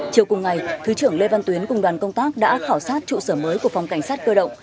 chiều cùng ngày thứ trưởng lê văn tuyến cùng đoàn công tác đã khảo sát trụ sở mới của phòng cảnh sát cơ động